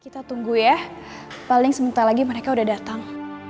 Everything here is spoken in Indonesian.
kita tunggu ya paling sebentar lagi mereka udah datang